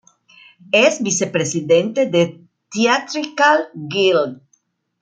Es vicepresidente de Theatrical Guild.